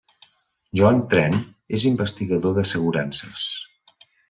John Trent és investigador d'assegurances.